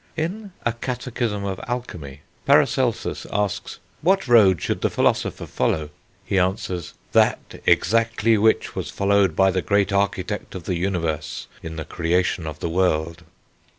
In A Catechism of Alchemy, Paracelsus asks: "What road should the philosopher follow?" He answers, "That exactly which was followed by the Great Architect of the Universe in the creation of the world."